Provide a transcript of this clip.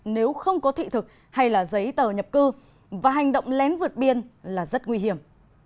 nếu không có thị thực hay là giấy tờ nhập cư và hành động lén vượt biên là rất nguy hiểm